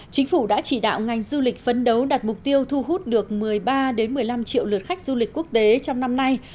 chính phủ đã chỉ đạo ngành du lịch phấn đấu đạt mục tiêu thu hút được một mươi ba một mươi năm triệu lượt khách du lịch quốc tế trong năm nay